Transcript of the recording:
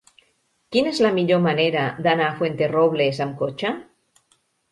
Quina és la millor manera d'anar a Fuenterrobles amb cotxe?